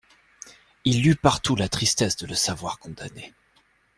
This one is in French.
Il lut partout la tristesse de le savoir condamné.